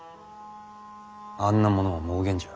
あんなものは妄言じゃ。